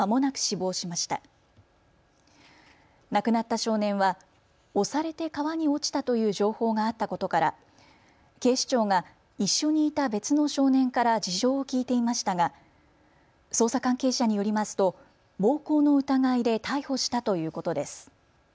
亡くなった少年は押されて川に落ちたという情報があったことから警視庁が一緒にいた別の少年から事情を聴いていましたが、捜査関係者によりますと暴行の疑いで逮捕したということです。